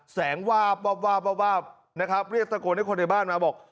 วาบวาบวาบวาบวาบนะครับเรียกตะโกนให้คนในบ้านมาบอก